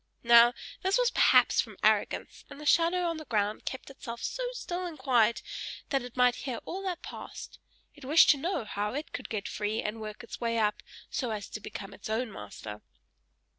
Now this was perhaps from arrogance; and the shadow on the ground kept itself so still and quiet, that it might hear all that passed: it wished to know how it could get free, and work its way up, so as to become its own master.